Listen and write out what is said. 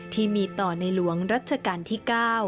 ที่มีต่อในหลวงรัชกาลที่๙